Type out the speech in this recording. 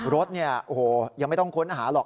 รถเนี่ยโอ้โหยังไม่ต้องค้นหาหรอก